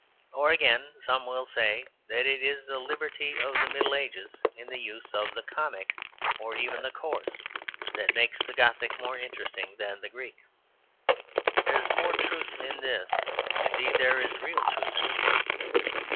Or, again, some will say that it is the liberty of the Middle Ages in the use of the comic or even the coarse that makes the Gothic more interesting than the Greek. There is more truth in this; indeed, there is real truth in it.